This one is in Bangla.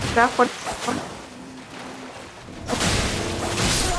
আমি নাচতে চাই, হায় ইশ্বর!